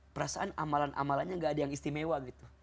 perasaan amalan amalannya gak ada yang istimewa gitu